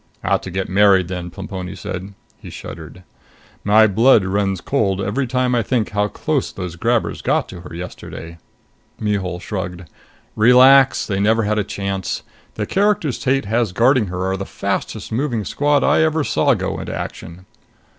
"Ought to get married then," Plemponi said. He shuddered. "My blood runs cold every time I think of how close those grabbers got to her yesterday!" Mihul shrugged. "Relax! They never had a chance. The characters Tate has guarding her are the fastest moving squad I ever saw go into action."